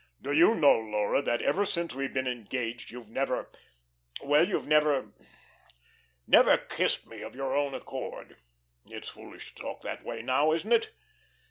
"Do you know, Laura, that ever since we've been engaged you've never Well, you've never never kissed me of your own accord. It's foolish to talk that way now, isn't it?